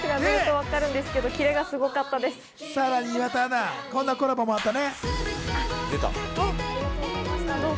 で、さらに岩田アナ、こんなコラボもあったよね。